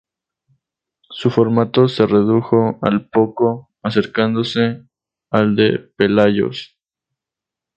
Su formato se redujo al poco, acercándose al de "Pelayos".